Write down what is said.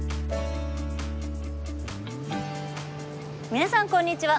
みなさんこんにちは。